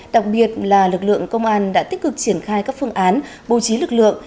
đặc biệt là lực lượng công an đã tích cực triển khai các phương án bố trí lực lượng